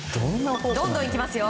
どんどんいきますよ。